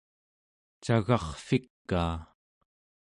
cagarrvikaa